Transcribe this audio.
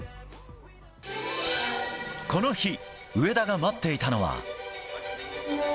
この日上田が待っていたのは。